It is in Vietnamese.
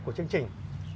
của chương trình